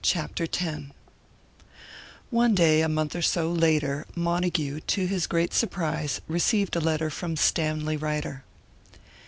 CHAPTER X ONE day, a month or so later, Montague, to his great surprise, received a letter from Stanley Ryder.